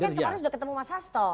tapi kan kemarin sudah ketemu mas hasto